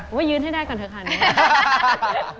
ว่ายืนให้ได้ก่อนเถอะค่ะแม่